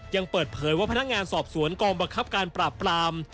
ยังเปิดเผยว่าพนักงานสอบสวนกองบังคับการปราบปราม